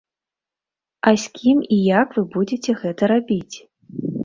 А з кім і як вы будзеце гэта рабіць?